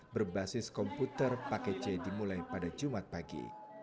berbasis komputer paket c dimulai pada jumat pagi